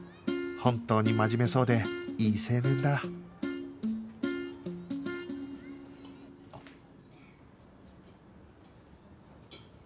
本当に真面目そうでいい青年だあっ。